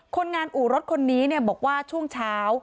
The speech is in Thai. คนงานอู่รถคนนี้บอกว่าช่วงเช้า